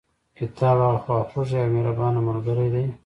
کتاب هغه خواخوږي او مهربانه ملګري دي.